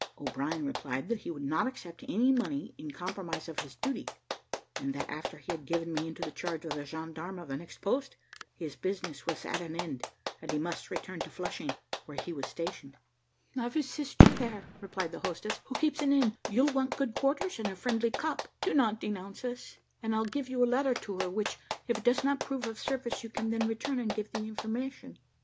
O'Brien replied that he would not accept of any money in compromise of his duty, that after he had given me into the charge of the gendarme of the next post, his business was at an end, and he must return to Flushing, where he was stationed. "I have a sister there," replied the hostess, "who keeps an inn. You'll want good quarters and a friendly cup; do not denounce us, and I'll give you a letter to her, which, if it does not prove of service, you can then return and give the information."